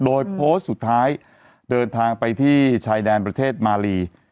โดยโพสต์สุดท้ายเดินทางไปที่ชายแดนประเทศมาลี